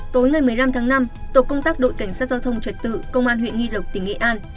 tối ngày một mươi năm tháng năm tổ công tác đội cảnh sát giao thông trật tự công an huyện nghi lộc tỉnh nghệ an